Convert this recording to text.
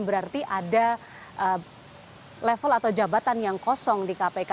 berarti ada level atau jabatan yang kosong di kpk